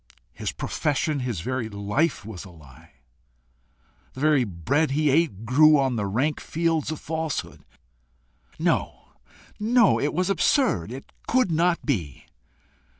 his profession, his very life was a lie! the very bread he ate grew on the rank fields of falsehood! No, no; it was absurd! it could not be!